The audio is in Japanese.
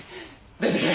出てけ。